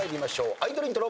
アイドルイントロ。